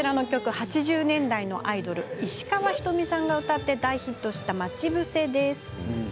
８０年代のアイドル石川ひとみさんが歌ってヒットした「まちぶせ」。